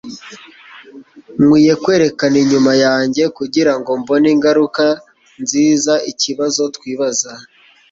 Nkwiye kwerekana inyuma yanjye kugirango mbone ingaruka nzizaikibazo twibaza